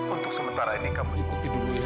untuk sementara ini kamu ikuti dulu ya